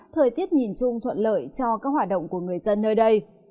thời tiết nhìn chung thuận lợi cho các hoạt động của người dân nơi đây